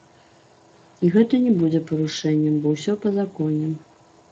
І гэта не будзе парушэннем, бо ўсё па законе.